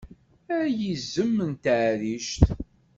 Ay izem n taɛrict!